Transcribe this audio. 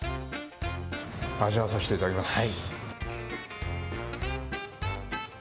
味わわせていただきます。